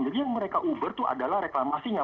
jadi yang mereka uber tuh adalah reklamasinya